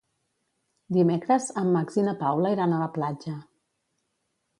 Dimecres en Max i na Paula iran a la platja.